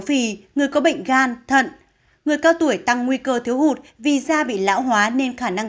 vì người có bệnh gan thận người cao tuổi tăng nguy cơ thiếu hụt vì da bị lão hóa nên khả năng